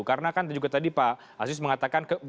karena kan juga tadi pak aziz mengatakan